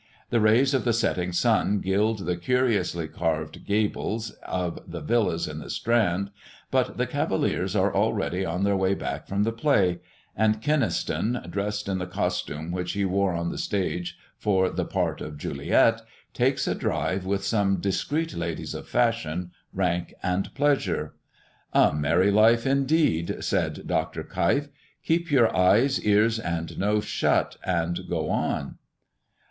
The rays of the setting sun gild the curiously carved gables of the villas in the Strand, but the cavaliers are already on their way back from the play; and Kynaston, dressed in the costume which he wore on the stage for the part of Juliet, takes a drive with some discreet ladies of fashion, rank, and pleasure." "A merry life, indeed!" said Dr. Keif. "Keep your eyes, ears, and nose shut, and go on."